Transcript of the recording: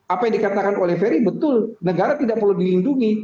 apa yang dikatakan oleh ferry betul negara tidak perlu dilindungi